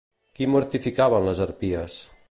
Qui mortificaven les harpies?